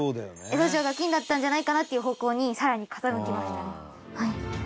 江戸城が金だったんじゃないかなっていう方向に更に傾きましたねはい。